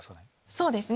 そうですね。